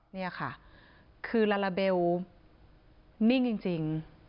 นี่ค่ะคือลาลาเบลนิ่งจริง